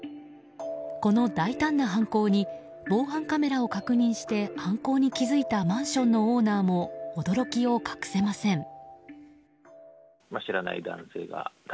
この大胆な犯行に防犯カメラを確認して犯行に気付いたマンションのオーナーも驚きを隠せません。